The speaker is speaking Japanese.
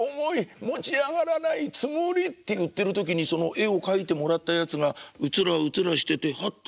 持ち上がらないつもり」って言ってる時にその絵を描いてもらったやつがうつらうつらしててハッと。